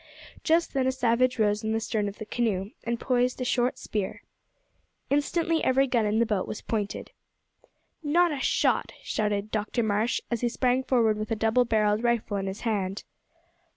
Just then a savage rose in the stern of the canoe and poised a short spear. Instantly every gun in the boat was pointed. "Not a shot!" shouted Dr Marsh, as he sprang forward with a double barrelled rifle in his hand.